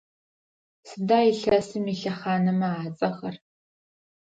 Сыда илъэсым илъэхъанэмэ ацӏэхэр?